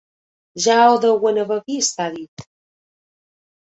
Ja ho deuen haver vist, ha dit.